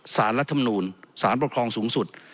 สารรัฐมนูลสารประคลองสูงสุด